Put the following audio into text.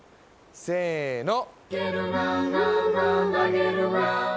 せの。